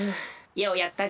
ようやったぞ。